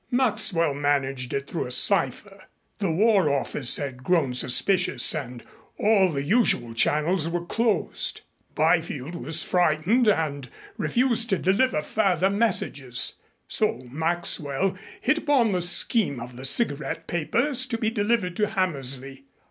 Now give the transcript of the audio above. "Maxwell managed it through a cipher. The War Office had grown suspicious and all the usual channels were closed. Byfield was frightened and refused to deliver further messages. So Maxwell hit upon the scheme of the cigarette papers to be delivered to Hammersley.